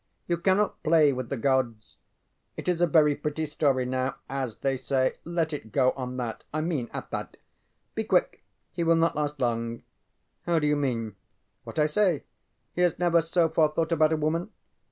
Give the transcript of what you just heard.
You cannot play with the Gods. It is a very pretty story now. As they say, Let it go on that I mean at that. Be quick; he will not last long. ŌĆØ ŌĆ£How do you mean? ŌĆØ ŌĆ£What I say. He has never, so far, thought about a woman.